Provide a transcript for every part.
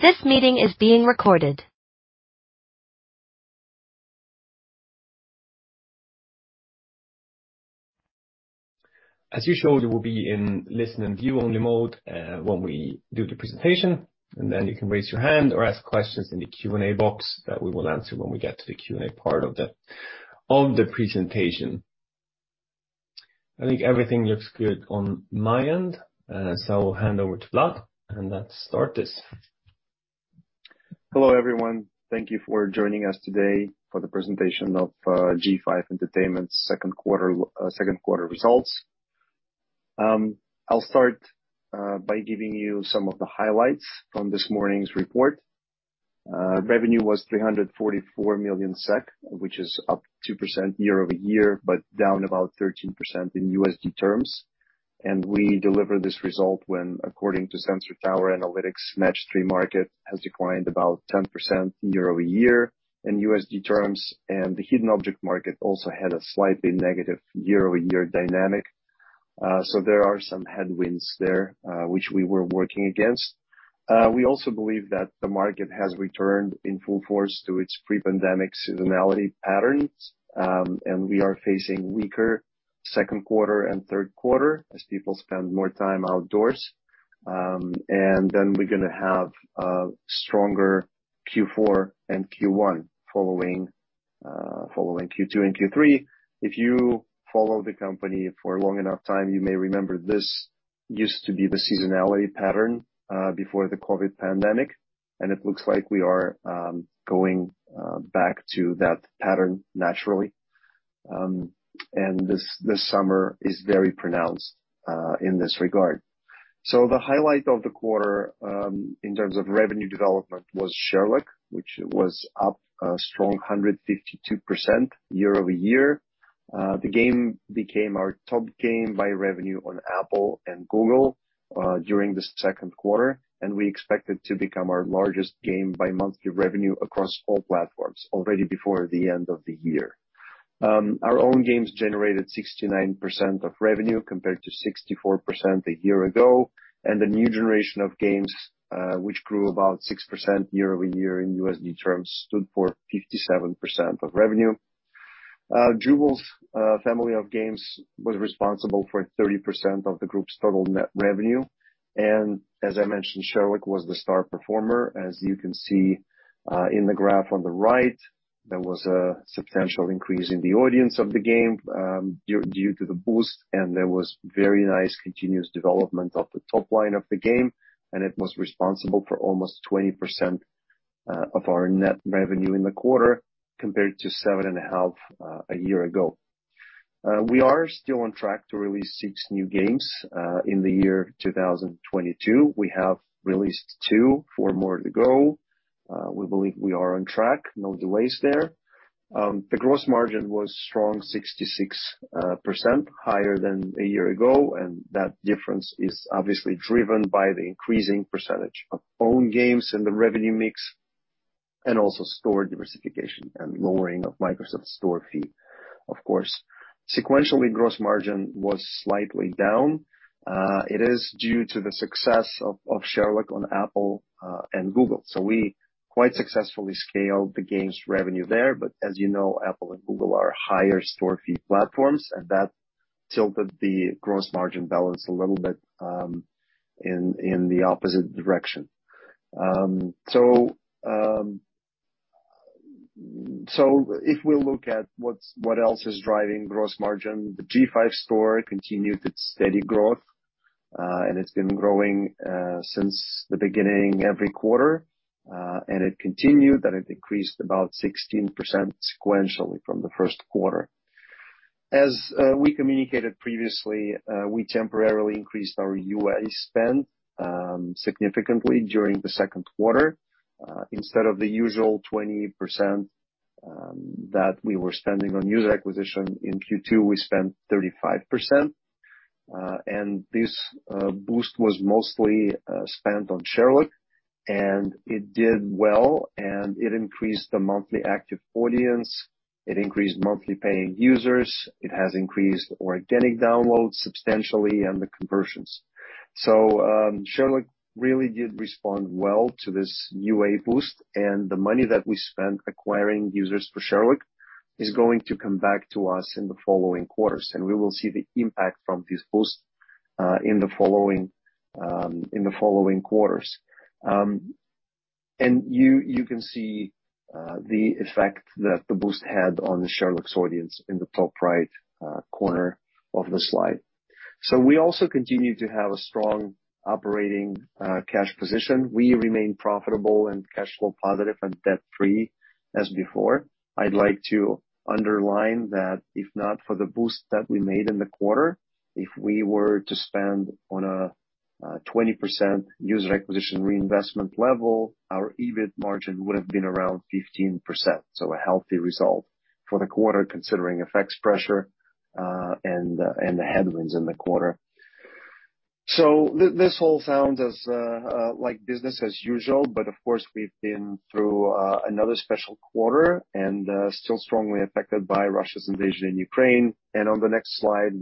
This meeting is being recorded. As usual, you will be in listen and view-only mode when we do the presentation, and then you can raise your hand or ask questions in the Q&A box that we will answer when we get to the Q&A part of the presentation. I think everything looks good on my end, so I'll hand over to Vlad, and let's start this. Hello, everyone. Thank you for joining us today for the presentation of G5 Entertainment's second quarter results. I'll start by giving you some of the highlights from this morning's report. Revenue was 344 million SEK, which is up 2% year-over-year, but down about 13% in USD terms. We delivered this result when, according to Sensor Tower, Match-3 market has declined about 10% year-over-year in USD terms, and the hidden object market also had a slightly negative year-over-year dynamic. There are some headwinds there, which we were working against. We also believe that the market has returned in full force to its pre-pandemic seasonality patterns, and we are facing weaker second quarter and third quarter as people spend more time outdoors. We're gonna have a stronger Q4 and Q1 following Q2 and Q3. If you follow the company for a long enough time, you may remember this used to be the seasonality pattern before the COVID pandemic, and it looks like we are going back to that pattern naturally. This summer is very pronounced in this regard. The highlight of the quarter in terms of revenue development was Sherlock, which was up a strong 152% year-over-year. The game became our top game by revenue on Apple and Google during the second quarter, and we expect it to become our largest game by monthly revenue across all platforms already before the end of the year. Our own games generated 69% of revenue, compared to 64% a year ago, and the new generation of games, which grew about 6% year-over-year in USD terms, stood for 57% of revenue. Jewels' family of games was responsible for 30% of the group's total net revenue. As I mentioned, Sherlock was the star performer. As you can see in the graph on the right, there was a substantial increase in the audience of the game, due to the boost, and there was very nice continuous development of the top line of the game, and it was responsible for almost 20% of our net revenue in the quarter, compared to 7.5% a year ago. We are still on track to release six new games in the year 2022. We have released two, four more to go. We believe we are on track. No delays there. The gross margin was strong, 66%, higher than a year ago, and that difference is obviously driven by the increasing percentage of own games in the revenue mix and also store diversification and lowering of Microsoft Store fee, of course. Sequentially, gross margin was slightly down. It is due to the success of Sherlock on Apple and Google. We quite successfully scaled the game's revenue there, but as you know, Apple and Google are higher store fee platforms, and that tilted the gross margin balance a little bit, in the opposite direction. If we look at what else is driving gross margin, the G5 Store continued its steady growth, and it's been growing since the beginning every quarter, and it continued, and it increased about 16% sequentially from the first quarter. As we communicated previously, we temporarily increased our UA spend significantly during the second quarter. Instead of the usual 20% that we were spending on user acquisition, in Q2, we spent 35%. And this boost was mostly spent on Sherlock, and it did well, and it increased the monthly active audience, it increased monthly paying users, it has increased organic downloads substantially and the conversions. Sherlock really did respond well to this UA boost, and the money that we spent acquiring users for Sherlock is going to come back to us in the following quarters, and we will see the impact from this boost in the following quarters. You can see the effect that the boost had on Sherlock's audience in the top right corner of the slide. We also continue to have a strong operating cash position. We remain profitable and cash flow positive and debt-free as before. I'd like to underline that if not for the boost that we made in the quarter, if we were to spend on a 20% user acquisition reinvestment level, our EBIT margin would have been around 15%. A healthy result for the quarter, considering FX pressure, and the headwinds in the quarter. This all sounds like business as usual, but of course, we've been through another special quarter and still strongly affected by Russia's invasion in Ukraine. On the next slide,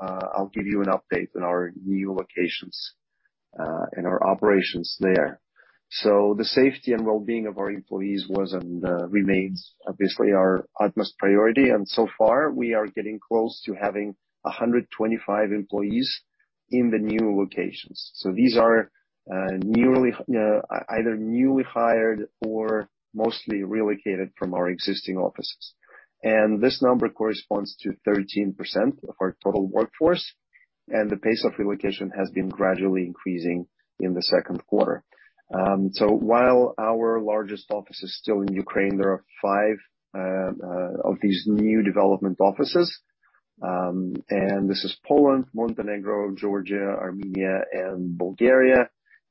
I'll give you an update on our new locations in our operations there. The safety and well-being of our employees was and remains obviously our utmost priority. So far, we are getting close to having 125 employees in the new locations. These are either newly hired or mostly relocated from our existing offices. This number corresponds to 13% of our total workforce, and the pace of relocation has been gradually increasing in the second quarter. While our largest office is still in Ukraine, there are five of these new development offices. This is Poland, Montenegro, Georgia, Armenia and Bulgaria.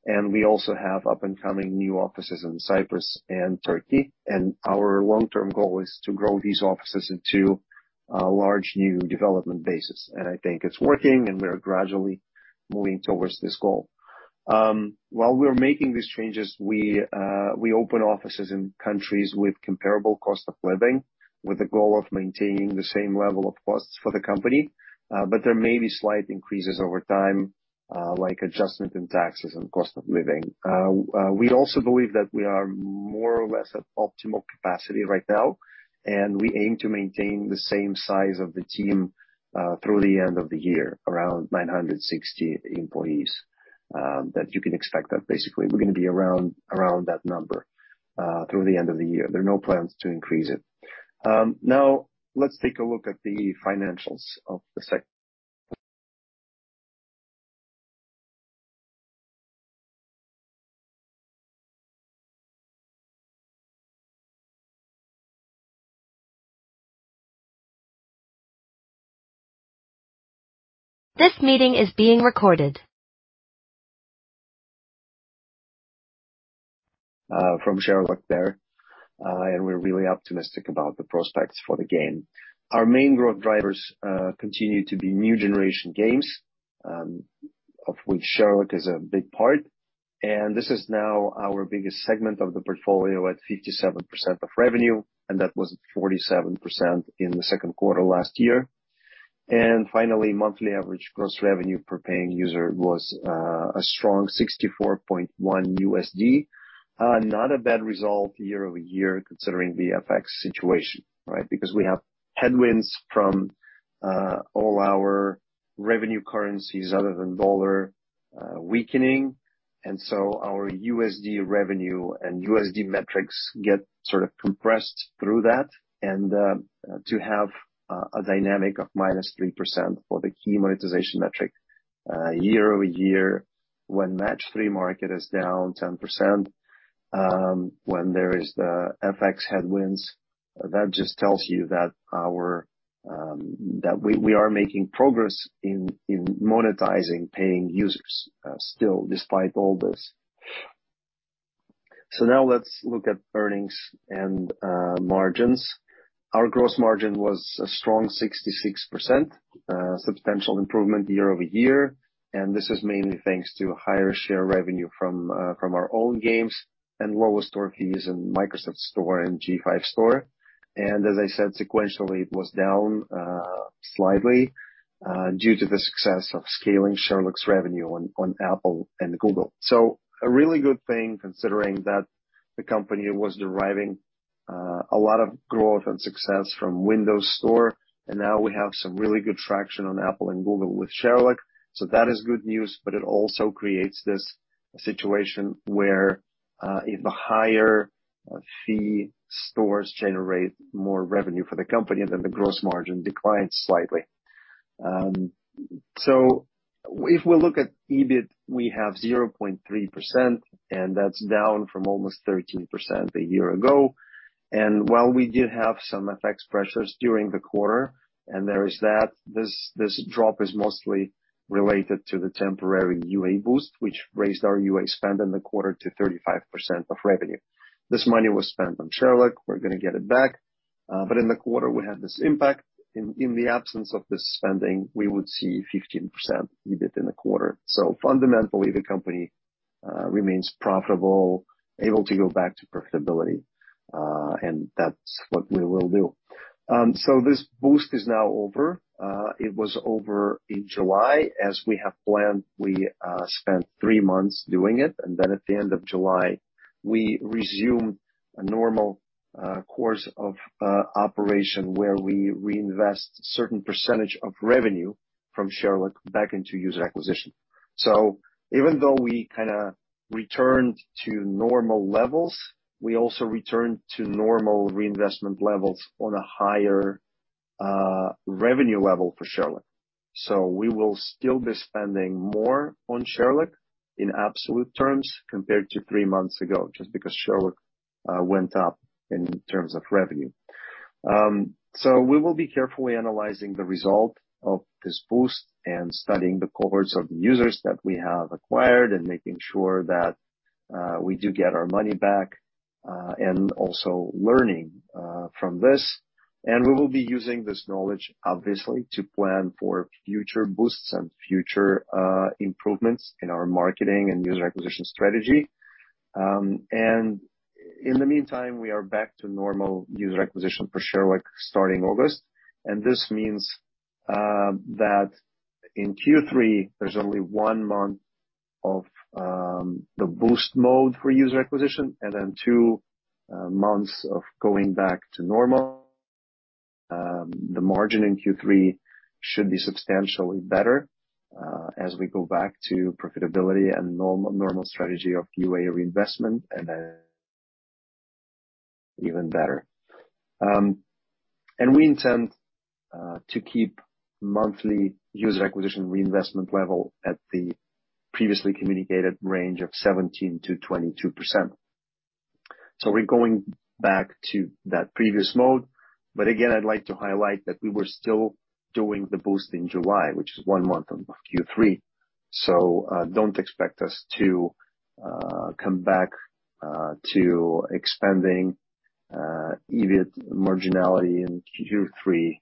We also have up-and-coming new offices in Cyprus and Turkey. Our long-term goal is to grow these offices into large new development bases. I think it's working, and we are gradually moving towards this goal. While we are making these changes, we open offices in countries with comparable cost of living, with the goal of maintaining the same level of costs for the company. There may be slight increases over time, like adjustment in taxes and cost of living. We also believe that we are more or less at optimal capacity right now, and we aim to maintain the same size of the team through the end of the year, around 960 employees. That you can expect that basically we're gonna be around that number through the end of the year. There are no plans to increase it. Now let's take a look at the financials. This meeting is being recorded. From Sherlock there. We're really optimistic about the prospects for the game. Our main growth drivers continue to be new generation games, of which Sherlock is a big part. This is now our biggest segment of the portfolio at 57% of revenue, and that was 47% in the second quarter last year. Finally, monthly average gross revenue per paying user was a strong $64.1. Not a bad result year over year considering the FX situation, right? Because we have headwinds from all our revenue currencies other than dollar weakening. Our USD revenue and USD metrics get sort of compressed through that. To have a dynamic of -3% for the key monetization metric year over year when Match-3 market is down 10%, when there is the FX headwinds. That just tells you that our that we are making progress in monetizing paying users still despite all this. Now let's look at earnings and margins. Our gross margin was a strong 66%, substantial improvement year over year. This is mainly thanks to higher share revenue from our own games and lower store fees in Microsoft Store and G5 Store. As I said, sequentially, it was down slightly due to the success of scaling Sherlock's revenue on Apple and Google. A really good thing considering that the company was deriving a lot of growth and success from Windows Store, and now we have some really good traction on Apple and Google with Sherlock. That is good news, but it also creates this situation where if the higher fee stores generate more revenue for the company, then the gross margin declines slightly. If we look at EBIT, we have 0.3%, and that's down from almost 13% a year ago. While we did have some FX pressures during the quarter, and there is that. This drop is mostly related to the temporary UA boost, which raised our UA spend in the quarter to 35% of revenue. This money was spent on Sherlock. We're gonna get it back. In the quarter, we had this impact. In the absence of this spending, we would see 15% EBIT in the quarter. Fundamentally, the company remains profitable, able to go back to profitability, and that's what we will do. This boost is now over. It was over in July. As we have planned, we spent three months doing it, and then at the end of July, we resumed a normal course of operation where we reinvest certain percentage of revenue from Sherlock back into user acquisition. Even though we kinda returned to normal levels, we also returned to normal reinvestment levels on a higher revenue level for Sherlock. We will still be spending more on Sherlock in absolute terms compared to three months ago, just because Sherlock went up in terms of revenue. We will be carefully analyzing the result of this boost and studying the cohorts of users that we have acquired and making sure that we do get our money back and also learning from this. We will be using this knowledge, obviously, to plan for future boosts and future improvements in our marketing and user acquisition strategy. In the meantime, we are back to normal user acquisition for Sherlock starting August. This means that in Q3, there's only one month of the boost mode for user acquisition and then two months of going back to normal. The margin in Q3 should be substantially better as we go back to profitability and normal strategy of UA reinvestment and then even better. We intend to keep monthly user acquisition reinvestment level at the previously communicated range of 17%-22%. We're going back to that previous mode. Again, I'd like to highlight that we were still doing the boost in July, which is one month of Q3. Don't expect us to come back to expanding EBIT marginality in Q3.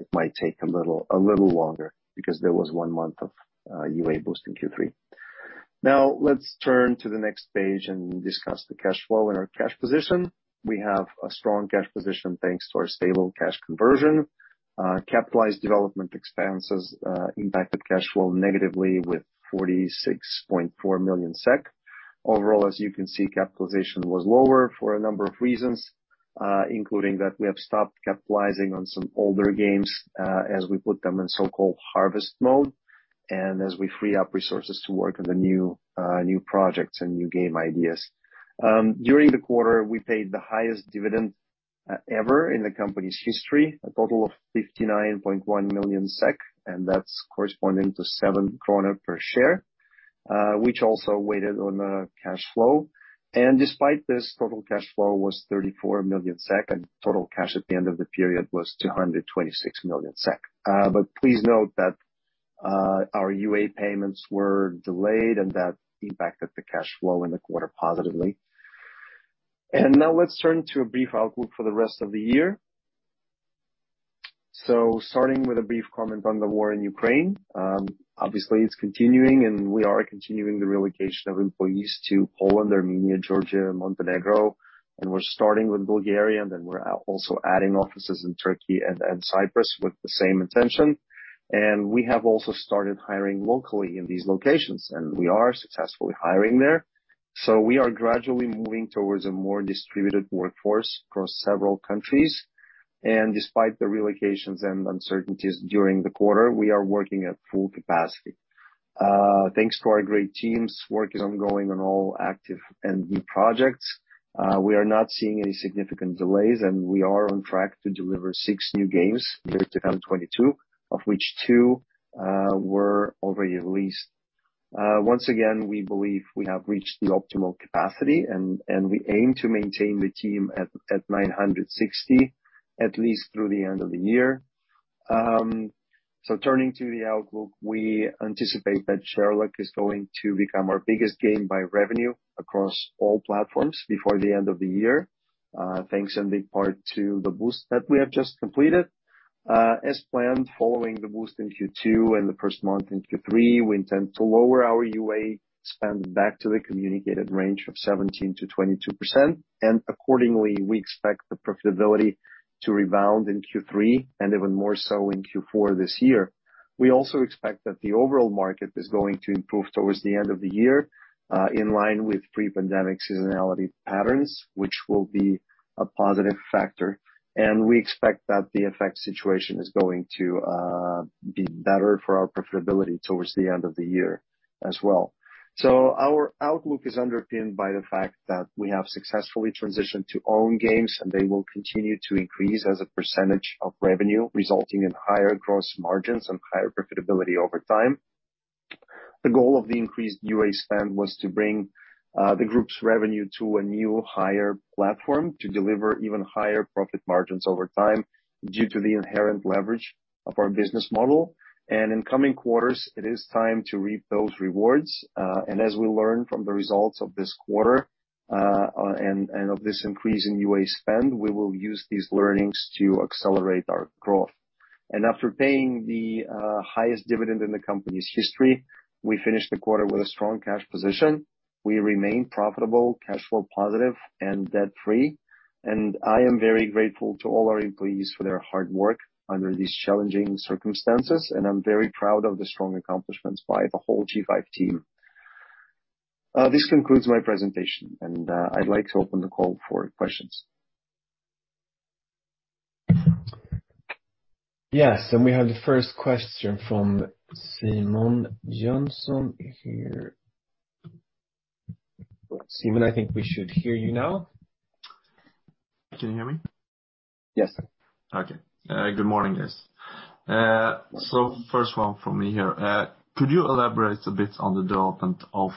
It might take a little longer because there was one month of UA boost in Q3. Now, let's turn to the next page and discuss the cash flow and our cash position. We have a strong cash position thanks to our stable cash conversion. Capitalized development expenses impacted cash flow negatively with 46.4 million SEK. Overall, as you can see, capitalization was lower for a number of reasons, including that we have stopped capitalizing on some older games, as we put them in so-called harvest mode, and as we free up resources to work on the new projects and new game ideas. During the quarter, we paid the highest dividend ever in the company's history, a total of 59.1 million SEK, and that's corresponding to seven krona per share, which also weighed on cash flow. Despite this, total cash flow was 34 million SEK, and total cash at the end of the period was 226 million SEK. Please note that our UA payments were delayed, and that impacted the cash flow in the quarter positively. Now let's turn to a brief outlook for the rest of the year. Starting with a brief comment on the war in Ukraine, obviously it's continuing, and we are continuing the relocation of employees to Poland, Armenia, Georgia, Montenegro, and we're starting with Bulgaria, and then we're also adding offices in Turkey and Cyprus with the same intention. We have also started hiring locally in these locations, and we are successfully hiring there. We are gradually moving towards a more distributed workforce across several countries. Despite the relocations and uncertainties during the quarter, we are working at full capacity. Thanks to our great teams, work is ongoing on all active and new projects. We are not seeing any significant delays, and we are on track to deliver six new games here at 2022, of which two were already released. Once again, we believe we have reached the optimal capacity and we aim to maintain the team at 960, at least through the end of the year. Turning to the outlook, we anticipate that Sherlock is going to become our biggest game by revenue across all platforms before the end of the year, thanks in big part to the boost that we have just completed. As planned, following the boost in Q2 and the first month in Q3, we intend to lower our UA spend back to the communicated range of 17%-22%. Accordingly, we expect the profitability to rebound in Q3 and even more so in Q4 this year. We also expect that the overall market is going to improve towards the end of the year in line with pre-pandemic seasonality patterns, which will be a positive factor. We expect that the FX situation is going to be better for our profitability towards the end of the year as well. Our outlook is underpinned by the fact that we have successfully transitioned to own games, and they will continue to increase as a percentage of revenue, resulting in higher gross margins and higher profitability over time. The goal of the increased UA spend was to bring the group's revenue to a new higher platform to deliver even higher profit margins over time due to the inherent leverage of our business model. In coming quarters, it is time to reap those rewards. As we learn from the results of this quarter, and of this increase in UA spend, we will use these learnings to accelerate our growth. After paying the highest dividend in the company's history, we finished the quarter with a strong cash position. We remain profitable, cash flow positive, and debt-free. I am very grateful to all our employees for their hard work under these challenging circumstances, and I'm very proud of the strong accomplishments by the whole G5 team. This concludes my presentation and I'd like to open the call for questions. Yes. We have the first question from Simon Jönsson here. Simon, I think we should hear you now. Can you hear me? Yes. Okay. Good morning, guys. First one from me here. Could you elaborate a bit on the development of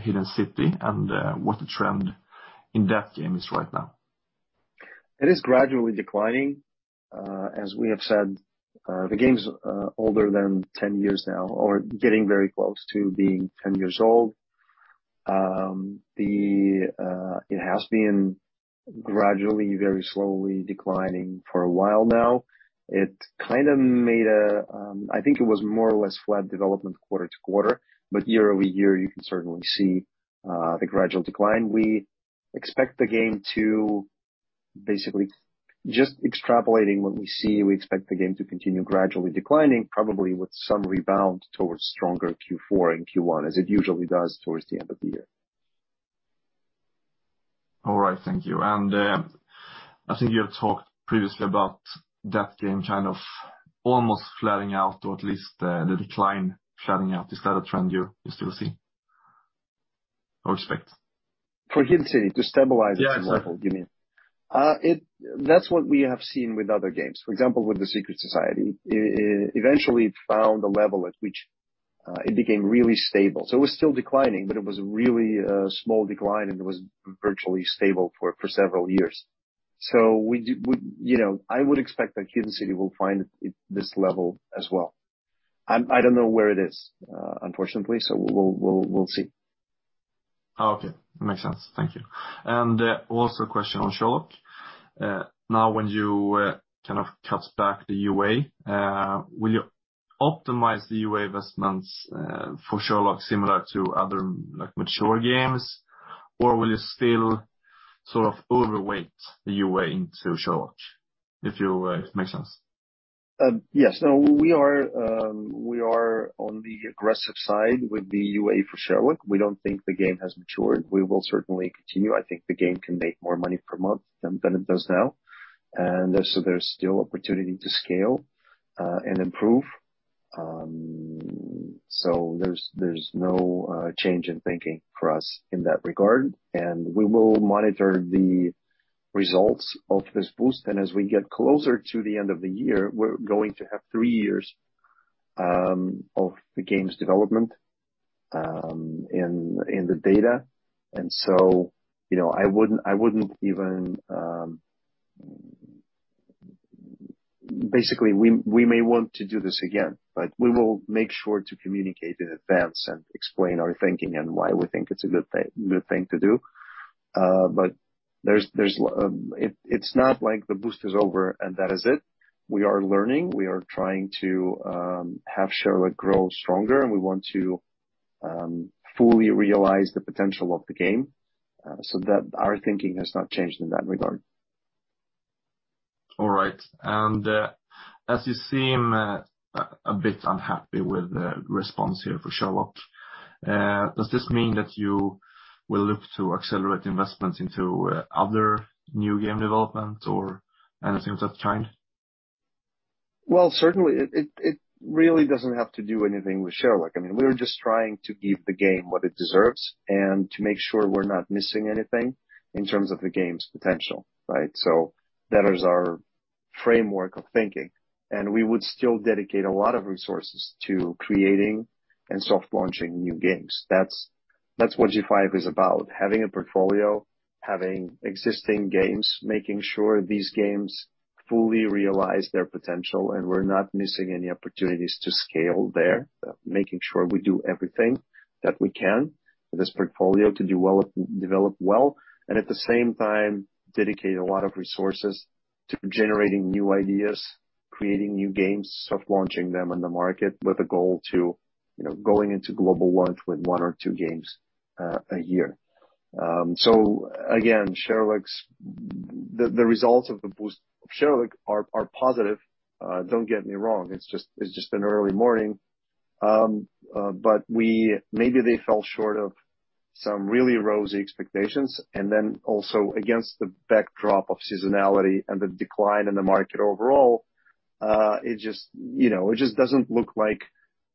Hidden City and what the trend in that game is right now? It is gradually declining. As we have said, the game's older than 10 years now or getting very close to being 10 years old. Gradually, very slowly declining for a while now. It kind of made a, I think it was more or less flat development quarter to quarter, but year-over-year, you can certainly see the gradual decline. We expect the game to continue gradually declining, probably with some rebound towards stronger Q4 and Q1, as it usually does towards the end of the year. All right, thank you. I think you have talked previously about that game kind of almost flattening out or at least, the decline flattening out. Is that a trend you still see or expect? For Hidden City to stabilize its level, you mean? Yeah, exactly. That's what we have seen with other games. For example, with The Secret Society, eventually it found a level at which it became really stable. It was still declining, but it was really a small decline, and it was virtually stable for several years. We do, you know, I would expect that Hidden City will find it at this level as well. I don't know where it is, unfortunately, so we'll see. Oh, okay. Makes sense. Thank you. Also a question on Sherlock. Now when you kind of cut back the UA, will you optimize the UA investments for Sherlock similar to other, like, mature games? Or will you still sort of overweight the UA into Sherlock, if it makes sense? Yes. No, we are on the aggressive side with the UA for Sherlock. We don't think the game has matured. We will certainly continue. I think the game can make more money per month than it does now. There's still opportunity to scale and improve. There's no change in thinking for us in that regard. We will monitor the results of this boost. As we get closer to the end of the year, we're going to have three years of the game's development in the data. You know, I wouldn't even. Basically, we may want to do this again, but we will make sure to communicate in advance and explain our thinking and why we think it's a good thing to do. It's not like the boost is over and that is it. We are learning. We are trying to have Sherlock grow stronger, and we want to fully realize the potential of the game, so that our thinking has not changed in that regard. All right. As you seem a bit unhappy with the response here for Sherlock, does this mean that you will look to accelerate investments into other new game development or anything of that kind? Certainly it really doesn't have to do anything with Sherlock. I mean, we're just trying to give the game what it deserves and to make sure we're not missing anything in terms of the game's potential, right? That is our framework of thinking. We would still dedicate a lot of resources to creating and soft launching new games. That's what G5 is about, having a portfolio, having existing games, making sure these games fully realize their potential, and we're not missing any opportunities to scale there. Making sure we do everything that we can for this portfolio to develop well, and at the same time dedicate a lot of resources to generating new ideas, creating new games, soft launching them in the market with a goal to, you know, going into global launch with one or two games a year. Again, the results of the boost of Sherlock are positive. Don't get me wrong. It's just an early morning. Maybe they fell short of some really rosy expectations. Also against the backdrop of seasonality and the decline in the market overall, it just, you know, it just doesn't look like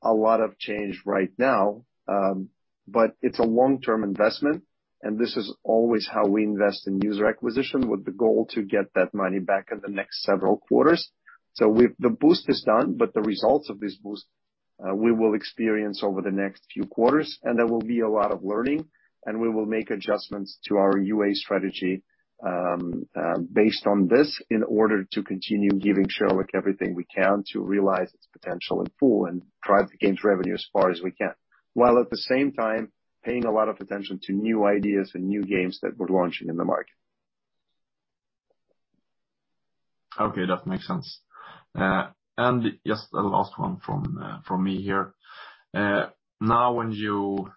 a lot of change right now. It's a long-term investment, and this is always how we invest in user acquisition, with the goal to get that money back in the next several quarters. The boost is done, but the results of this boost, we will experience over the next few quarters, and there will be a lot of learning, and we will make adjustments to our UA strategy, based on this in order to continue giving Sherlock everything we can to realize its potential in full and drive the game's revenue as far as we can, while at the same time paying a lot of attention to new ideas and new games that we're launching in the market. Okay, that makes sense. Just a last one from me here. Now when you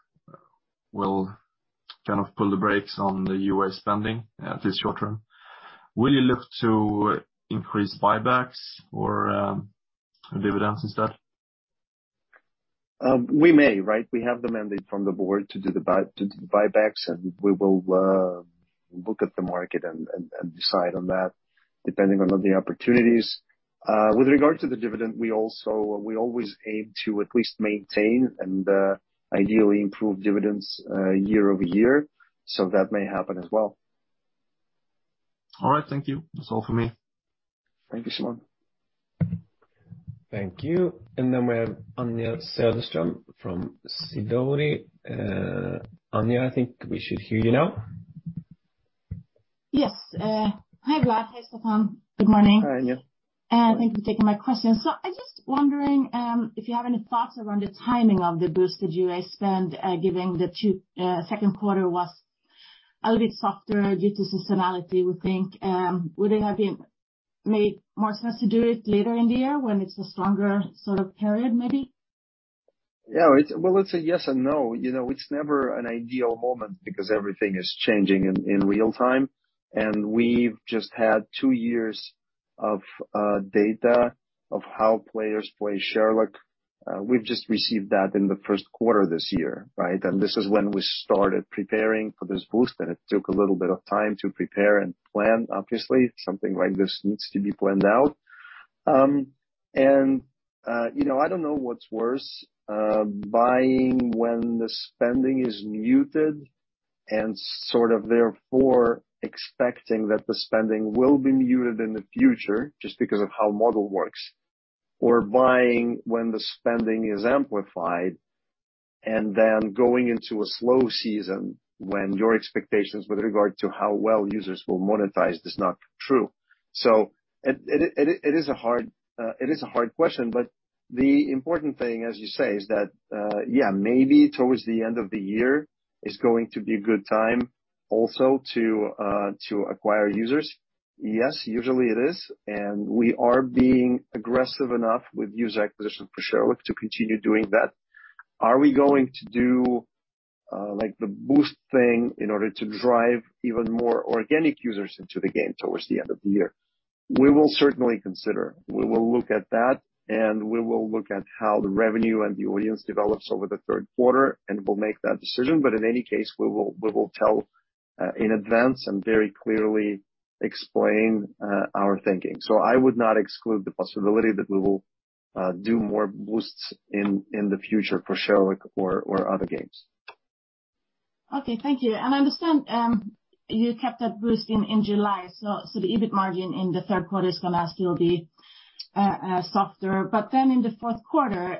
will kind of pull the brakes on the UA spending, this short term, will you look to increase buybacks or dividends instead? We may, right? We have the mandate from the board to do the buybacks, and we will look at the market and decide on that depending on the opportunities. With regard to the dividend, we always aim to at least maintain and ideally improve dividends year-over-year, so that may happen as well. All right. Thank you. That's all for me. Thank you, Simon. Thank you. We have Anja Soderstrom from Sidoti. Anja, I think we should hear you now. Yes. Hi, Vlad. Hey, Staffan. Good morning. Hi, Anja. Thank you for taking my question. I'm just wondering if you have any thoughts around the timing of the boost that you guys spend, given the second quarter was a little bit softer due to seasonality, we think. Would it have made more sense to do it later in the year when it's a stronger sort of period, maybe? Yeah. Well, it's a yes and no. You know, it's never an ideal moment because everything is changing in real time, and we've just had two years of data of how players play Sherlock. We've just received that in the first quarter this year, right? This is when we started preparing for this boost, and it took a little bit of time to prepare and plan, obviously. Something like this needs to be planned out. You know, I don't know what's worse, buying when the spending is muted and sort of therefore expecting that the spending will be muted in the future just because of how model works or buying when the spending is amplified and then going into a slow season when your expectations with regard to how well users will monetize is not true. It is a hard question, but the important thing, as you say, is that yeah, maybe towards the end of the year is going to be a good time also to acquire users. Yes, usually it is, and we are being aggressive enough with user acquisition for Sherlock to continue doing that. Are we going to do like the boost thing in order to drive even more organic users into the game towards the end of the year? We will certainly consider. We will look at that, and we will look at how the revenue and the audience develops over the third quarter, and we'll make that decision. In any case, we will tell in advance and very clearly explain our thinking. I would not exclude the possibility that we will do more boosts in the future for Sherlock or other games. Okay. Thank you. I understand you kept that boost in July. The EBIT margin in the third quarter is gonna still be softer. In the fourth quarter,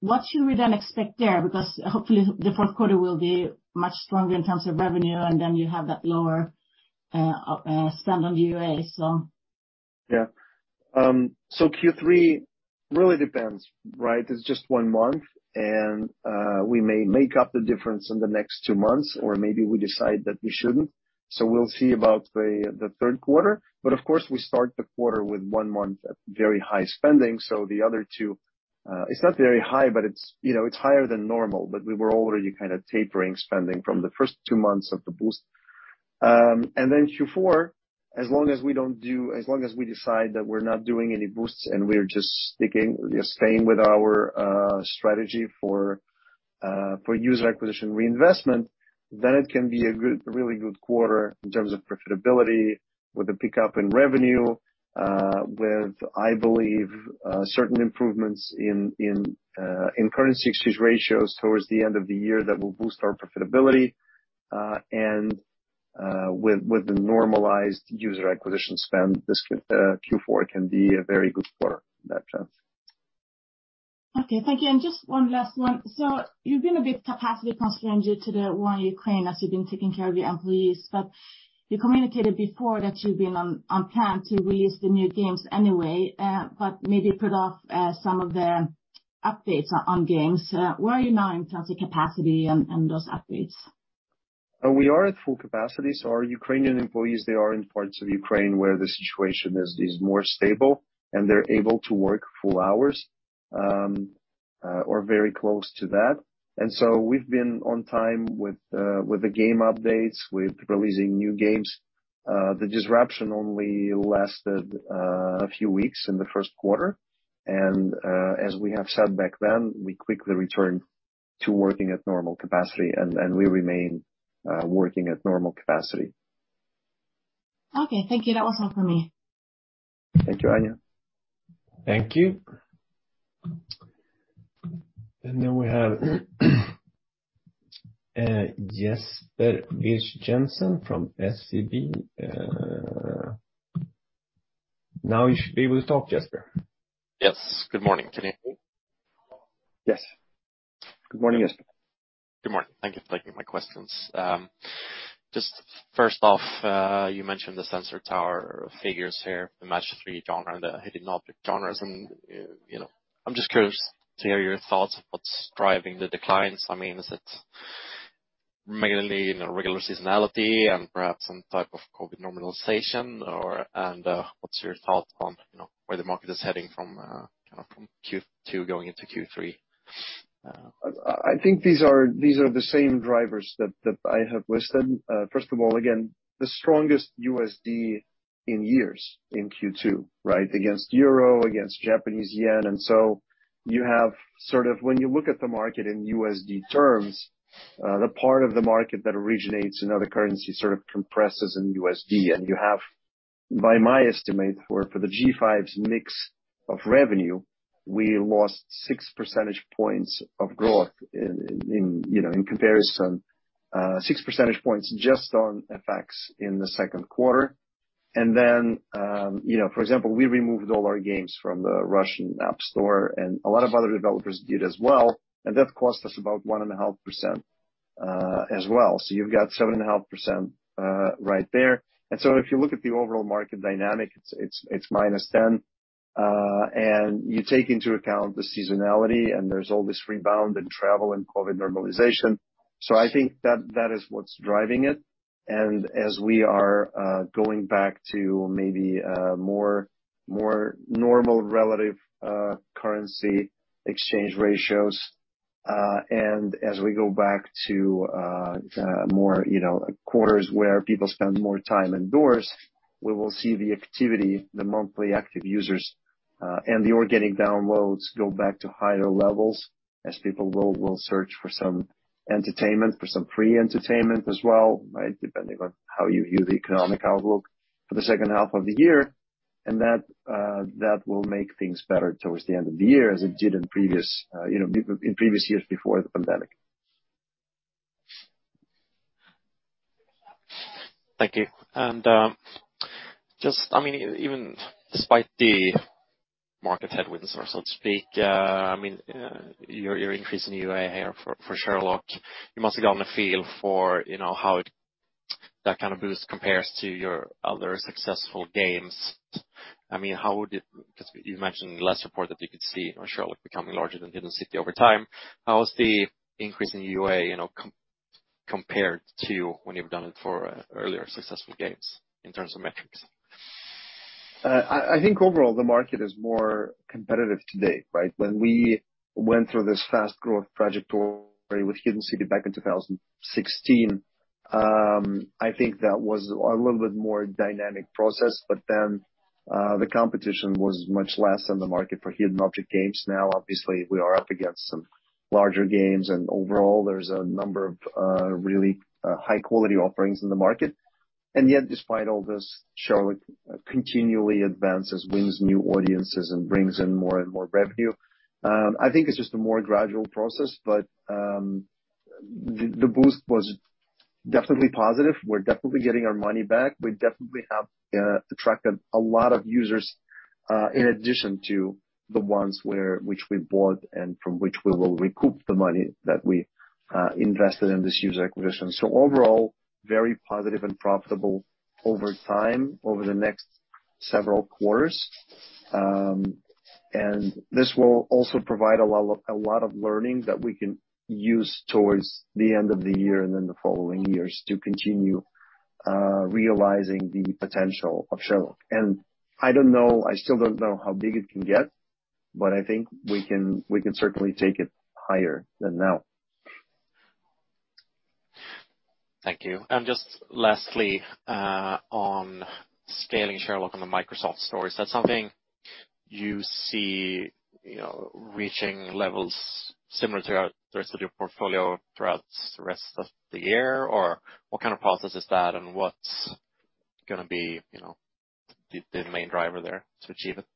what should we expect there? Because hopefully the fourth quarter will be much stronger in terms of revenue, and then you have that lower spend on the UA. Yeah, Q3 really depends, right? It's just one month, and we may make up the difference in the next two months, or maybe we decide that we shouldn't. We'll see about the third quarter, but of course, we start the quarter with one month at very high spending. The other two, it's not very high, but it's, you know, higher than normal. We were already kind of tapering spending from the first two months of the boost. Q4, as long as we decide that we're not doing any boosts and we're just sticking, just staying with our strategy for user acquisition reinvestment, then it can be a good, really good quarter in terms of profitability with a pickup in revenue, with, I believe, certain improvements in currency ratios towards the end of the year that will boost our profitability, and with the normalized user acquisition spend, this Q4 can be a very good quarter in that sense. Okay. Thank you. Just one last one. You've been a bit capacity constrained due to the war in Ukraine as you've been taking care of your employees. You communicated before that you've been on time to release the new games anyway, but maybe put off some of the updates on games. Where are you now in terms of capacity and those updates? We are at full capacity, so our Ukrainian employees, they are in parts of Ukraine where the situation is more stable, and they're able to work full hours, or very close to that. As we have said back then, we quickly returned to working at normal capacity, and we remain working at normal capacity. Okay. Thank you. That was all for me. Thank you, Anja. Thank you. We have Jesper Birch-Jensen from SEB. Now you should be able to talk Jesper. Yes. Good morning. Can you hear me? Yes. Good morning, Jesper. Good morning. Thank you for taking my questions. Just first off, you mentioned the Sensor Tower figures here, the Match-3 genre and the hidden object genres. You know, I'm just curious to hear your thoughts of what's driving the declines. I mean, is it mainly, you know, regular seasonality and perhaps some type of COVID normalization, or what's your thought on, you know, where the market is heading from kind of from Q2 going into Q3? I think these are the same drivers that I have listed. First of all, again, the strongest USD in years in Q2, right? Against euro, against Japanese yen. You have sort of when you look at the market in USD terms, the part of the market that originates in other currencies sort of compresses in USD. You have, by my estimate, for the G5's mix of revenue, we lost six percentage points of growth in comparison, six percentage points just on FX in the second quarter. Then, you know, for example, we removed all our games from the Russian App Store, and a lot of other developers did as well, and that cost us about 1.5% as well. You've got 7.5%, right there. If you look at the overall market dynamic, it's -10%, and you take into account the seasonality, and there's all this rebound in travel and COVID normalization. I think that is what's driving it. As we are going back to maybe more normal relative currency exchange ratios, and as we go back to more, you know, quarters where people spend more time indoors, we will see the activity, the monthly active users, and the organic downloads go back to higher levels as people will search for some entertainment, for some free entertainment as well, right? Depending on how you view the economic outlook for the second half of the year. That will make things better towards the end of the year, as it did in previous, you know, years before the pandemic. Thank you. Just, I mean, even despite the market headwinds, or so to speak, I mean, your increase in UA here for Sherlock, you must have gotten a feel for, you know, how that kind of boost compares to your other successful games. I mean, how would it? 'Cause you mentioned in the last report that you could see Sherlock becoming larger than Hidden City over time. How is the increase in UA, you know, compared to when you've done it for earlier successful games in terms of metrics? I think overall the market is more competitive today, right? When we went through this fast growth trajectory with Hidden City back in 2016, I think that was a little bit more dynamic process. The competition was much less in the market for hidden object games. Now, obviously, we are up against some larger games, and overall, there's a number of really high quality offerings in the market. Yet, despite all this, Sherlock continually advances, wins new audiences and brings in more and more revenue. I think it's just a more gradual process, but the boost was definitely positive. We're definitely getting our money back. We definitely have attracted a lot of users in addition to the ones which we bought and from which we will recoup the money that we invested in this user acquisition. Overall, very positive and profitable over time, over the next several quarters. This will also provide a lot of learning that we can use towards the end of the year and in the following years to continue realizing the potential of Sherlock. I don't know, I still don't know how big it can get, but I think we can certainly take it higher than now. Thank you. Just lastly, on scaling Sherlock on the Microsoft Store, is that something you see, you know, reaching levels similar to your, the rest of your portfolio throughout the rest of the year? Or what kind of process is that and what's gonna be, you know, the main driver there to achieve it?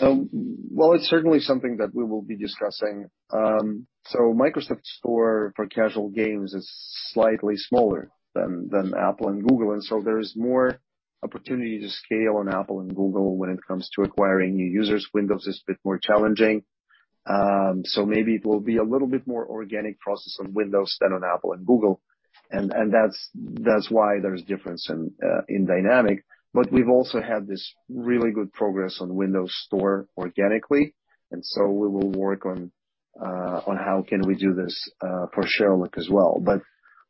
Well, it's certainly something that we will be discussing. Microsoft Store for casual games is slightly smaller than Apple and Google, and so there is more opportunity to scale on Apple and Google when it comes to acquiring new users. Windows is a bit more challenging. Maybe it will be a little bit more organic process on Windows than on Apple and Google, and that's why there's difference in dynamic. We've also had this really good progress on Windows Store organically, and so we will work on how can we do this for Sherlock as well.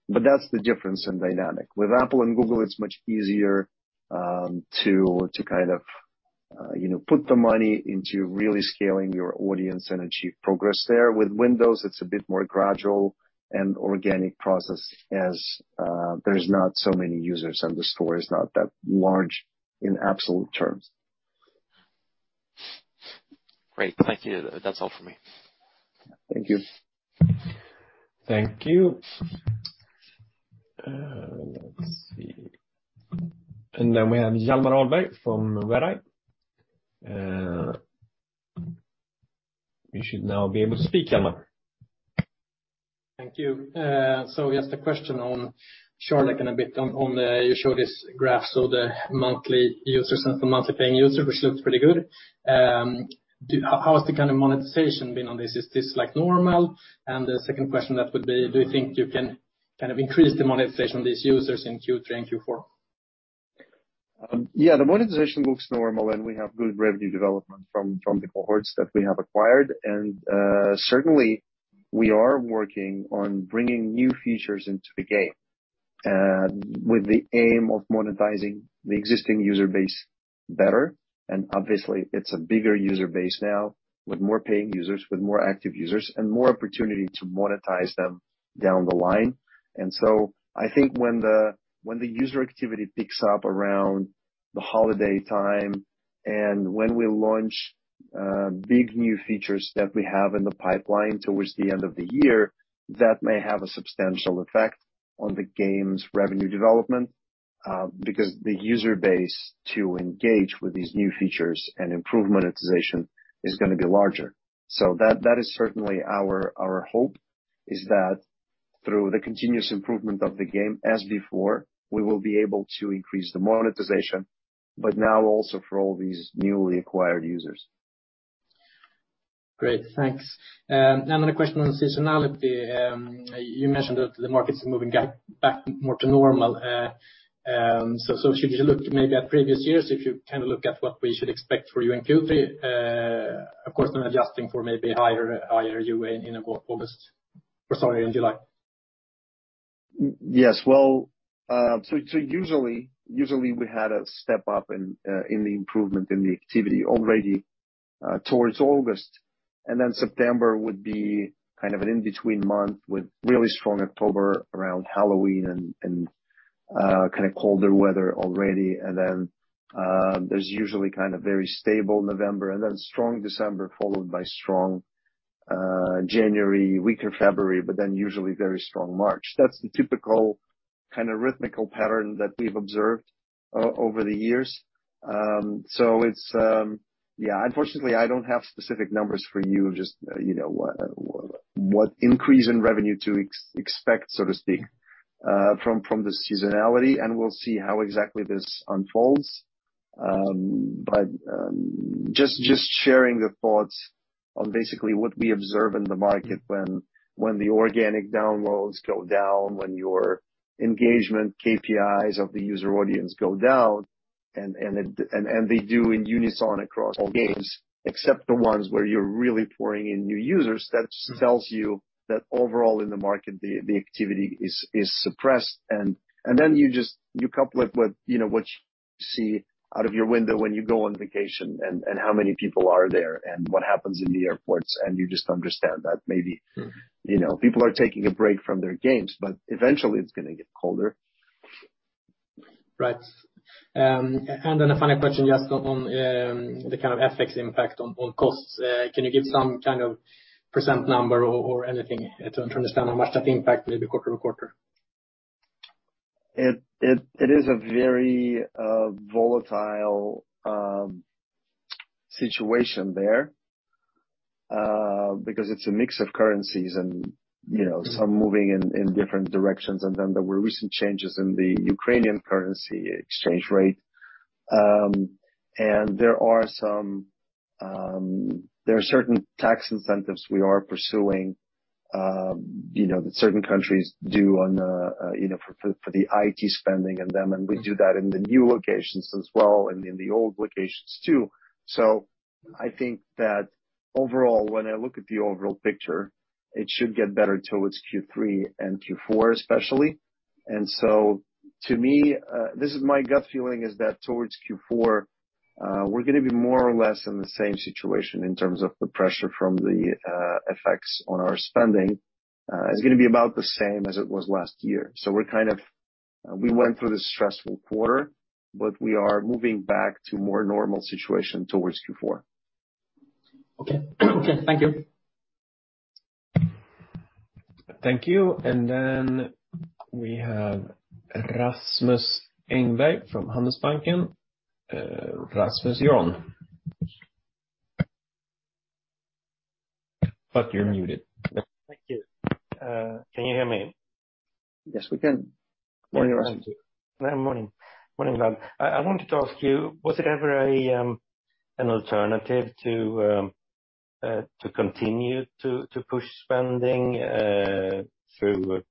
That's the difference in dynamic. With Apple and Google, it's much easier to kind of you know put the money into really scaling your audience and achieve progress there. With Windows, it's a bit more gradual and organic process as there's not so many users and the store is not that large in absolute terms. Great. Thank you. That's all for me. Thank you. Thank you. Let's see. We have Hjalmar Ahlberg from Redeye. You should now be able to speak Hjalmar. Thank you. Just a question on Sherlock and a bit on the. You showed this graph, so the monthly users and the monthly paying user, which looks pretty good. How is the kind of monetization been on this? Is this like normal? The second question then would be, do you think you can kind of increase the monetization of these users in Q3 and Q4? Yeah, the monetization looks normal and we have good revenue development from the cohorts that we have acquired. Certainly we are working on bringing new features into the game with the aim of monetizing the existing user base better. Obviously it's a bigger user base now with more paying users, with more active users and more opportunity to monetize them down the line. I think when the user activity picks up around the holiday time and when we launch big new features that we have in the pipeline towards the end of the year, that may have a substantial effect on the game's revenue development because the user base to engage with these new features and improve monetization is gonna be larger. That is certainly our hope is that through the continuous improvement of the game as before, we will be able to increase the monetization, but now also for all these newly acquired users. Great. Thanks. Now another question on seasonality. You mentioned that the market's moving back more to normal. Should you look maybe at previous years if you kind of look at what we should expect for you in Q3? Of course, I'm adjusting for maybe higher UA in August or sorry, in July. Yes. Well, so usually we had a step up in the improvement in the activity already towards August. September would be kind of an in-between month with really strong October around Halloween and kind of colder weather already. There's usually kind of very stable November and then strong December, followed by strong January, weaker February, but then usually very strong March. That's the typical kind of rhythmical pattern that we've observed over the years. Unfortunately, I don't have specific numbers for you, just, you know, what increase in revenue to expect, so to speak, from the seasonality, and we'll see how exactly this unfolds. Just sharing the thoughts on basically what we observe in the market when the organic downloads go down, when your engagement KPIs of the user audience go down and they do in unison across all games, except the ones where you're really pouring in new users, that just tells you that overall in the market the activity is suppressed. Then you just couple it with, you know, what you see out of your window when you go on vacation and how many people are there and what happens in the airports, and you just understand that maybe. Mm. You know, people are taking a break from their games, but eventually it's gonna get colder. Right. A final question just on the kind of FX impact on costs. Can you give some kind of percent number or anything to understand how much that impacted the quarter-over-quarter? It is a very volatile situation there because it's a mix of currencies and, you know, some moving in different directions. Then there were recent changes in the Ukrainian currency exchange rate. There are certain tax incentives we are pursuing, you know, that certain countries do on the, you know, for the IT spending and them, and we do that in the new locations as well and in the old locations too. I think that overall, when I look at the overall picture, it should get better towards Q3 and Q4 especially. To me, this is my gut feeling is that towards Q4, we're gonna be more or less in the same situation in terms of the pressure from the effects on our spending. It's gonna be about the same as it was last year. We're kind of, we went through this stressful quarter, but we are moving back to more normal situation towards Q4. Okay. Thank you. Thank you. We have Rasmus Engberg from Handelsbanken. Rasmus you're on. You're muted. Thank you. Can you hear me? Yes, we can. We can hear you. Morning, Rasmus. Morning. Morning, Vlad. I wanted to ask you, was there ever an alternative to continue to push spending through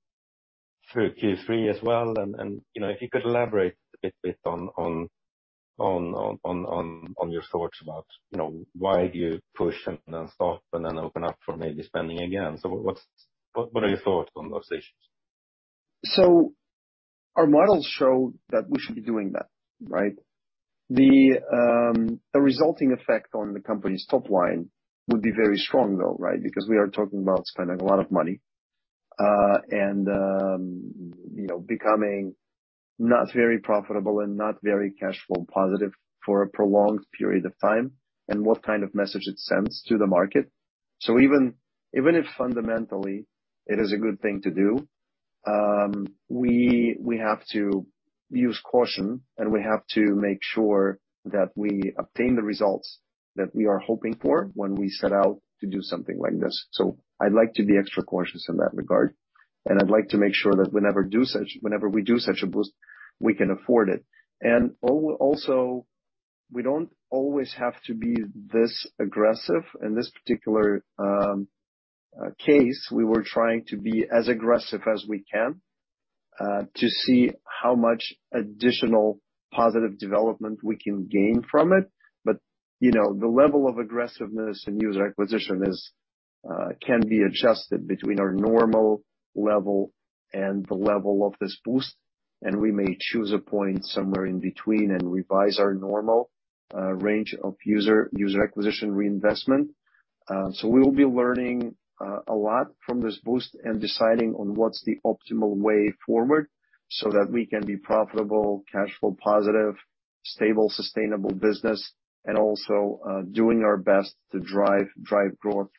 Q3 as well? You know, if you could elaborate a bit on your thoughts about, you know, why do you push and then stop and then open up for maybe spending again? What are your thoughts on those issues? Our models show that we should be doing that, right? The resulting effect on the company's top line would be very strong though, right? Because we are talking about spending a lot of money, and, you know, becoming not very profitable and not very cash flow positive for a prolonged period of time, and what kind of message it sends to the market. Even if fundamentally it is a good thing to do, we have to use caution, and we have to make sure that we obtain the results that we are hoping for when we set out to do something like this. I'd like to be extra cautious in that regard, and I'd like to make sure that whenever we do such a boost, we can afford it. We don't always have to be this aggressive. In this particular case, we were trying to be as aggressive as we can to see how much additional positive development we can gain from it. You know, the level of aggressiveness in user acquisition is, can be adjusted between our normal level and the level of this boost, and we may choose a point somewhere in between and revise our normal range of user acquisition reinvestment. We will be learning a lot from this boost and deciding on what's the optimal way forward so that we can be profitable, cash flow positive, stable, sustainable business, and also doing our best to drive growth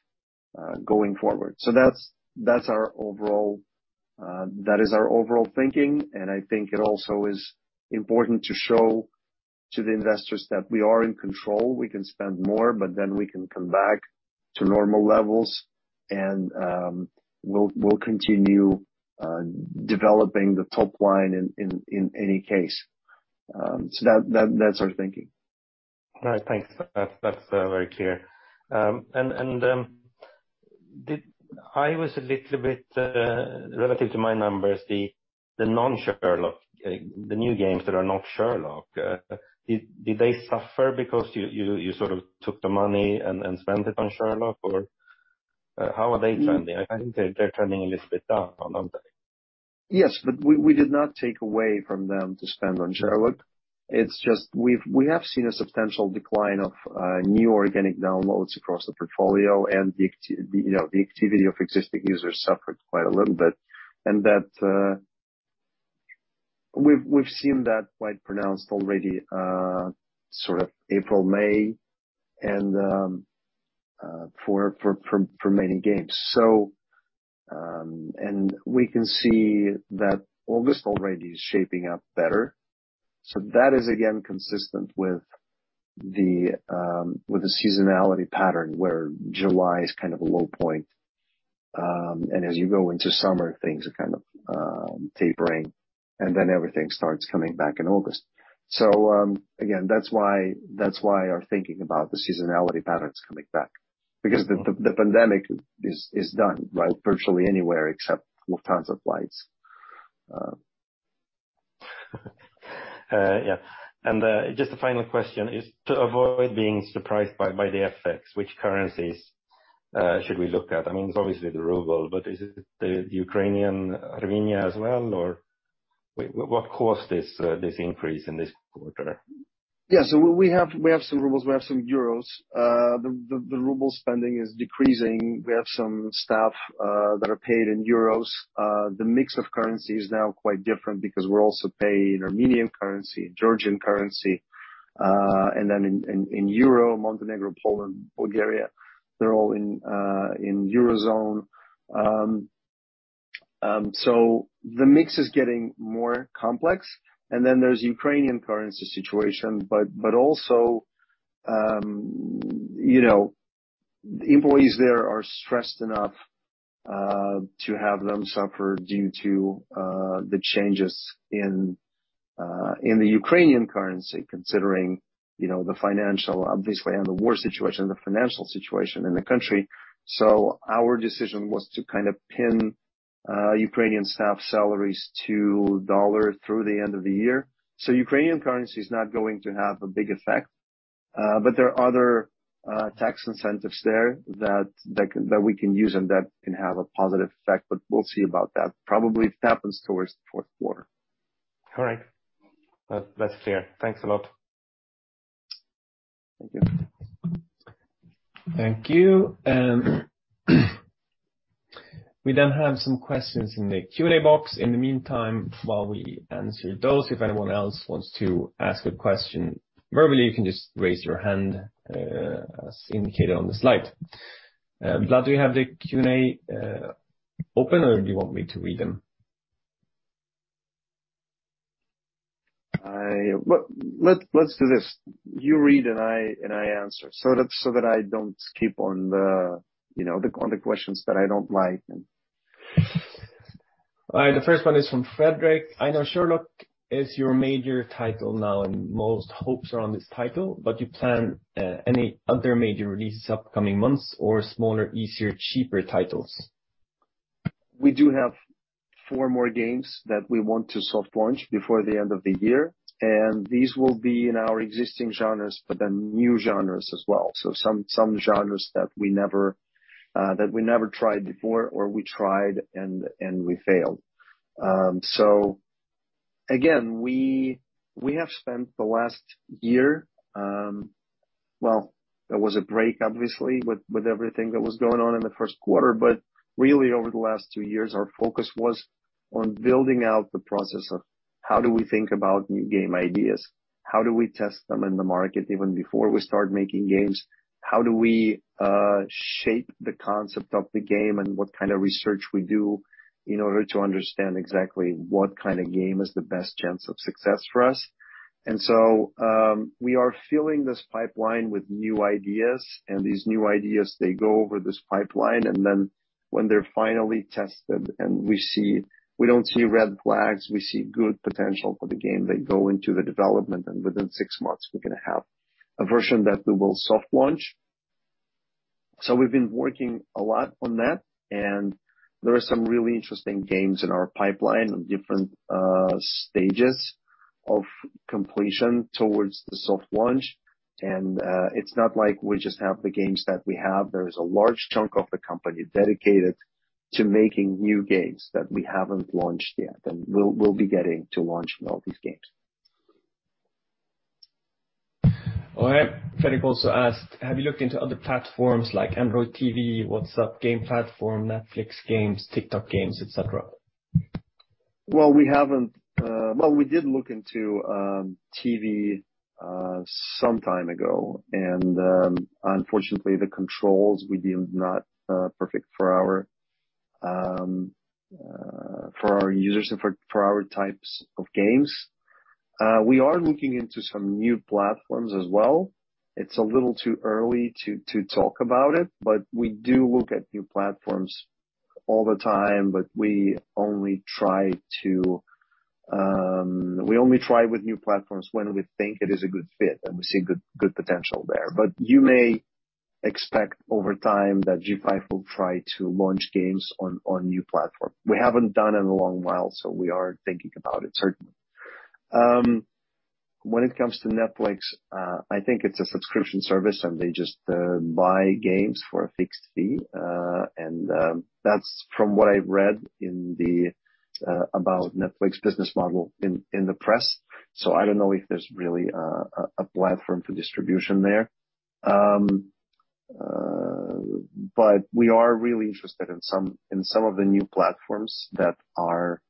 going forward. That's our overall thinking, and I think it also is important to show to the investors that we are in control. We can spend more, but then we can come back to normal levels and we'll continue developing the top line in any case. That's our thinking. All right. Thanks. That's very clear. I was a little bit relative to my numbers, the non-Sherlock, the new games that are not Sherlock, did they suffer because you sort of took the money and spent it on Sherlock? Or, how are they trending? I think they're trending a little bit down, aren't they? Yes, but we did not take away from them to spend on Sherlock. It's just we've seen a substantial decline of new organic downloads across the portfolio and the, you know, the activity of existing users suffered quite a little bit. We've seen that quite pronounced already sort of April, May, and for many games. We can see that August already is shaping up better. That is again consistent with the seasonality pattern, where July is kind of a low point. As you go into summer, things are kind of tapering, and then everything starts coming back in August. Again, that's why our thinking about the seasonality pattern is coming back because the pandemic is done, right? Virtually anywhere except Lufthansa flights. Yeah. Just a final question. To avoid being surprised by the effects, which currencies should we look at? I mean, it's obviously the ruble, but is it the Ukrainian hryvnia as well, or what caused this increase in this quarter? We have some rubles, we have some euros. The ruble spending is decreasing. We have some staff that are paid in euros. The mix of currency is now quite different because we're also paid in Armenian currency, in Georgian currency, and then in euro, Montenegro, Poland, Bulgaria, they're all in Eurozone. The mix is getting more complex. Then there's Ukrainian currency situation. Then also, you know, employees there are stressed enough to have them suffer due to the changes in the Ukrainian currency, considering, you know, the financial, obviously, and the war situation, the financial situation in the country. Our decision was to kind of peg Ukrainian staff salaries to dollar through the end of the year. Ukrainian currency is not going to have a big effect. There are other tax incentives there that we can use, and that can have a positive effect, but we'll see about that. Probably it happens towards the fourth quarter. All right. That's clear. Thanks a lot. Thank you. Thank you. We then have some questions in the Q&A box. In the meantime, while we answer those, if anyone else wants to ask a question verbally, you can just raise your hand, as indicated on the slide. Vlad, do you have the Q&A open or do you want me to read them? Well let's do this. You read, and I answer, so that I don't skip on the questions that I don't like. All right. The first one is from Frederick. I know Sherlock is your major title now, and most hopes are on this title, but you plan any other major releases upcoming months or smaller, easier, cheaper titles? We do have 4 more games that we want to soft launch before the end of the year, and these will be in our existing genres, but then new genres as well. Some genres that we never tried before or we tried and we failed. Again, we have spent the last year. Well, there was a break obviously with everything that was going on in the first quarter, but really over the last two years, our focus was on building out the process of how do we think about new game ideas, how do we test them in the market even before we start making games? How do we shape the concept of the game and what kind of research we do in order to understand exactly what kind of game is the best chance of success for us? We are filling this pipeline with new ideas, and these new ideas, they go over this pipeline, and then when they're finally tested and we don't see red flags, we see good potential for the game, they go into the development, and within six months we're gonna have a version that we will soft launch. We've been working a lot on that, and there are some really interesting games in our pipeline on different stages of completion towards the soft launch. It's not like we just have the games that we have. There is a large chunk of the company dedicated to making new games that we haven't launched yet, and we'll be getting to launch all these games. All right. Frederick also asked, have you looked into other platforms like Android TV, WhatsApp game platform, Netflix games, TikTok games, et cetera? Well, we did look into TV some time ago, and unfortunately the controls we deemed not perfect for our users and for our types of games. We are looking into some new platforms as well. It's a little too early to talk about it, but we do look at new platforms all the time, but we only try with new platforms when we think it is a good fit and we see good potential there. You may expect over time that G5 will try to launch games on new platform. We haven't done in a long while, so we are thinking about it, certainly. When it comes to Netflix, I think it's a subscription service, and they just buy games for a fixed fee. That's from what I read about Netflix business model in the press. I don't know if there's really a platform for distribution there. We are really interested in some of the new platforms that are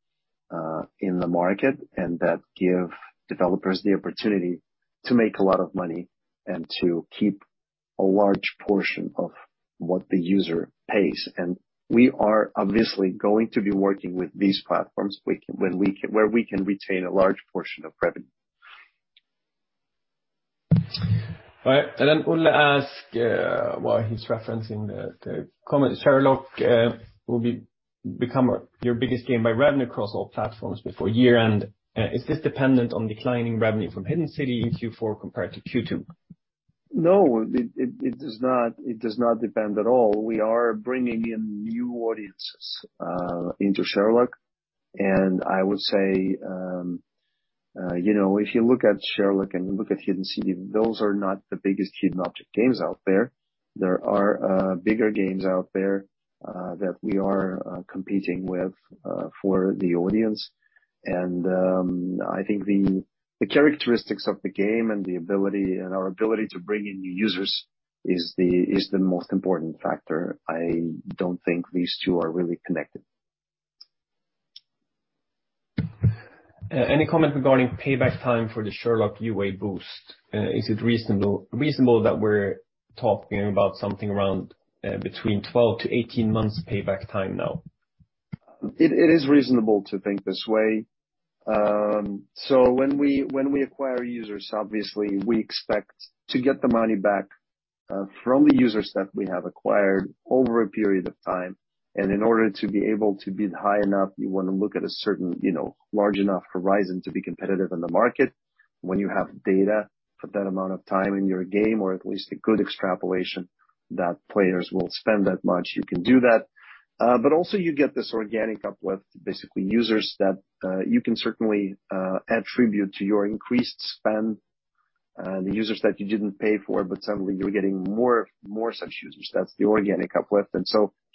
in the market and that give developers the opportunity to make a lot of money and to keep a large portion of what the user pays. We are obviously going to be working with these platforms we can, when we can, where we can retain a large portion of revenue. All right. Ole asks, well, he's referencing the comment Sherlock will become your biggest game by revenue across all platforms before year-end. Is this dependent on declining revenue from Hidden City in Q4 compared to Q2? No, it does not depend at all. We are bringing in new audiences into Sherlock. I would say, you know, if you look at Sherlock and you look at Hidden City, those are not the biggest hidden object games out there. There are bigger games out there that we are competing with for the audience. I think the characteristics of the game and the ability and our ability to bring in new users is the most important factor. I don't think these two are really connected. Any comment regarding payback time for the Sherlock UA boost? Is it reasonable that we're talking about something around between 12 to 18 months payback time now? It is reasonable to think this way. So when we acquire users, obviously we expect to get the money back from the users that we have acquired over a period of time. In order to be able to bid high enough, you wanna look at a certain, you know, large enough horizon to be competitive in the market. When you have data for that amount of time in your game, or at least a good extrapolation that players will spend that much, you can do that. Also you get this organic uplift, basically users that you can certainly attribute to your increased spend, the users that you didn't pay for, but suddenly you're getting more such users. That's the organic uplift.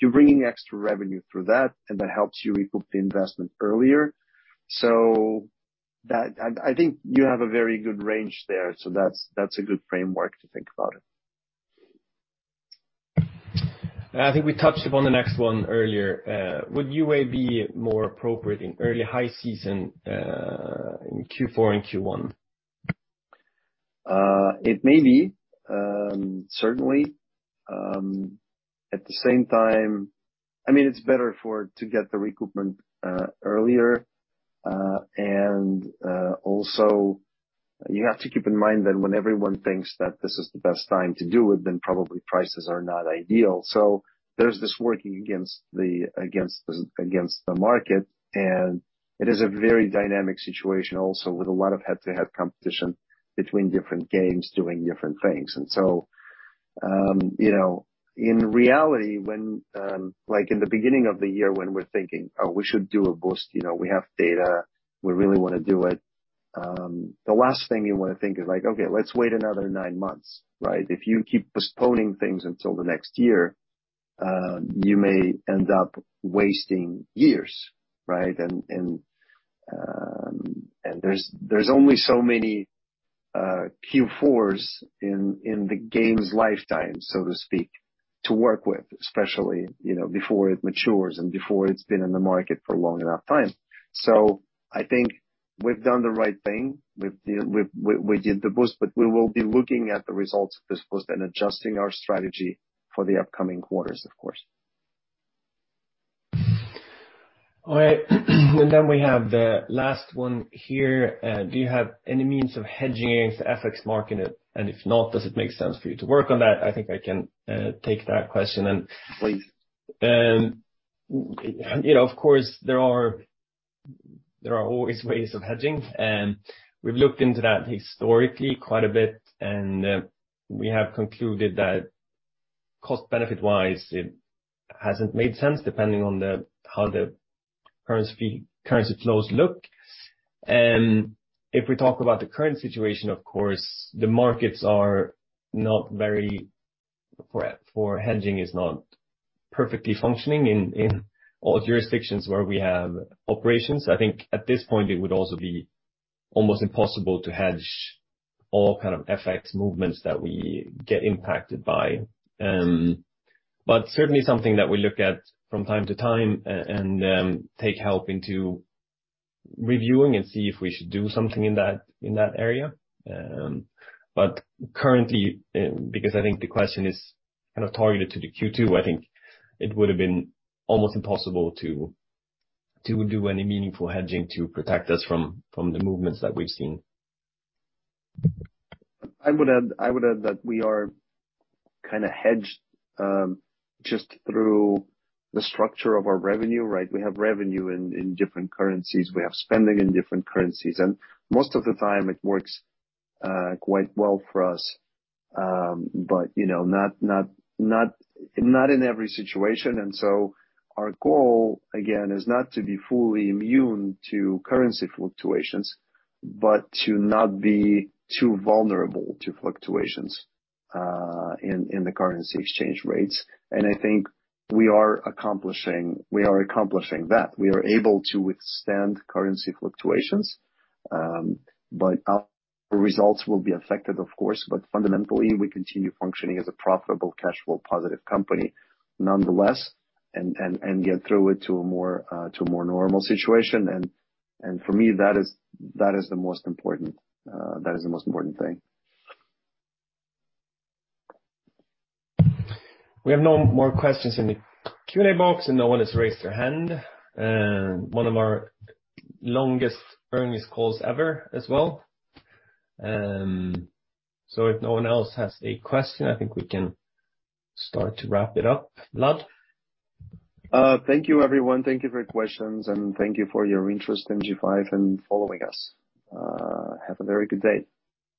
You're bringing extra revenue through that, and that helps you recoup the investment earlier. I think you have a very good range there. That's a good framework to think about it. I think we touched upon the next one earlier. Would UA be more appropriate in early high season in Q4 and Q1? It may be certainly. At the same time, I mean, it's better to get the recoupment earlier. Also you have to keep in mind that when everyone thinks that this is the best time to do it, then probably prices are not ideal. So there's this working against the market, and it is a very dynamic situation also with a lot of head-to-head competition between different games doing different things. You know, in reality, when, like in the beginning of the year when we're thinking, oh, we should do a boost, you know, we have data, we really wanna do it, the last thing you wanna think is like, okay, let's wait another nine months, right? If you keep postponing things until the next year, you may end up wasting years, right? There's only so many Q4s in the game's lifetime, so to speak, to work with, especially, you know, before it matures and before it's been in the market for a long enough time. I think we've done the right thing. We did the boost, but we will be looking at the results of this boost and adjusting our strategy for the upcoming quarters, of course. All right. We have the last one here. Do you have any means of hedging the FX market? If not, does it make sense for you to work on that? I think I can take that question and- Please. You know, of course, there are always ways of hedging, and we've looked into that historically quite a bit, and we have concluded that cost-benefit wise, it hasn't made sense depending on how the currency flows look. If we talk about the current situation, of course, for hedging is not perfectly functioning in all jurisdictions where we have operations. I think at this point it would also be almost impossible to hedge all kind of FX movements that we get impacted by. Certainly something that we look at from time to time and take help in reviewing and see if we should do something in that area. Currently, because I think the question is kind of targeted to the Q2, I think it would have been almost impossible to do any meaningful hedging to protect us from the movements that we've seen. I would add that we are kinda hedged just through the structure of our revenue, right? We have revenue in different currencies, we have spending in different currencies, and most of the time it works quite well for us. But you know, not in every situation. Our goal, again, is not to be fully immune to currency fluctuations, but to not be too vulnerable to fluctuations in the currency exchange rates. I think we are accomplishing that. We are able to withstand currency fluctuations, but our results will be affected of course, but fundamentally, we continue functioning as a profitable cash flow positive company nonetheless, and get through it to a more normal situation. For me, that is the most important thing. We have no more questions in the Q&A box, and no one has raised their hand. One of our longest earnings calls ever as well. If no one else has a question I think we can start to wrap it up. Vlad? Thank you everyone. Thank you for your questions, and thank you for your interest in G5 and following us. Have a very good day.